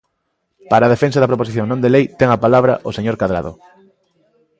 Para a defensa da proposición non de lei ten a palabra o señor Cadrado.